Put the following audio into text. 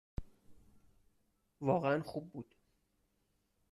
واقعاً خوب بود.